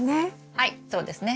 はいそうですね。